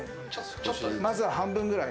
まずは半分くらい。